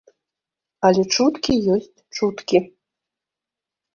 Але чуткі ёсць чуткі.